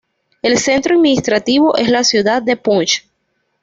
El centro administrativo es la ciudad de Punch.